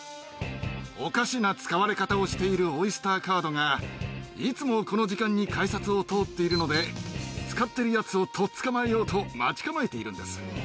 おかしな使われ方をしているオイスターカードが、いつもこの時間に改札を通っているので、使っているやつをとっ捕まえようと待ち構えているんです。